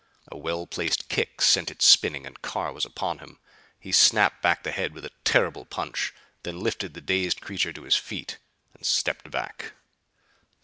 A well placed kick sent it spinning and Carr was upon him. He snapped back the head with a terrible punch; then lifted the dazed creature to his feet and stepped back.